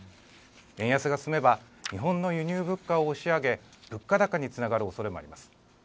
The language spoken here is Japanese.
円安が進めば日本の輸入物価を押し上げ、物価高につながるおそれもあります。